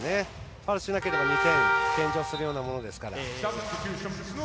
ファウルしなければ２点献上するようなものですから。